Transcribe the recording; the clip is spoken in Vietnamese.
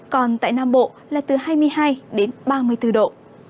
còn tại nam bộ là từ hai mươi hai đến ba mươi bốn độ